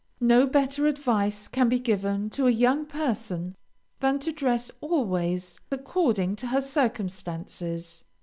No better advice can be given to a young person than to dress always according to her circumstances.